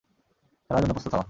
খেলার জন্য প্রস্তুত হ।